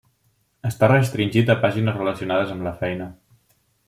Està restringit a pàgines relacionades amb la feina.